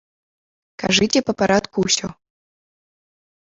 Кажыце па парадку ўсё.